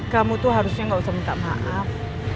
kamu tuh harusnya gak usah minta maaf